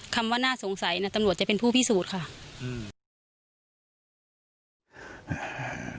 คำว่าน่าสงสัยน่ะตำรวจจะเป็นผู้พิสูจน์ค่ะอืม